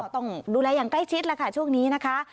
ต้องดูแลอย่างใกล้ชิดแล้วค่ะช่วงนี้นะคะ